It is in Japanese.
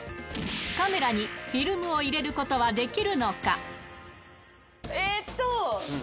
カメラにフィルムを入れることはえーっと。